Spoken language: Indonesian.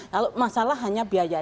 kalau masalah hanya biaya